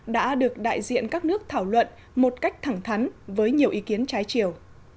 đã được đại diện các nước thảo luận một cách thẳng thắn với nhiều ý kiến trái chiều